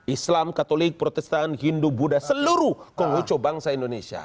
islam katolik protestan hindu buddha seluruh konghucu bangsa indonesia